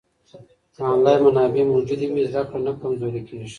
که انلاین منابع موجود وي، زده کړه نه کمزورې کېږي.